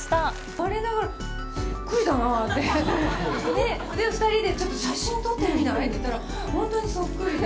われながら、そっくりだなって、ね、２人で写真撮ってみない？って言ったら、本当にそっくりで。